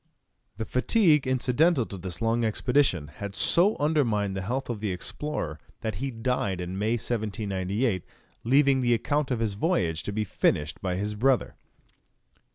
The fatigue incidental to this long expedition had so undermined the health of the explorer that he died in May, 1798, leaving the account of his voyage to be finished by his brother.